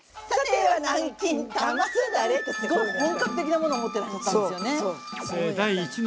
すごい本格的なものを持ってらっしゃったんですよね。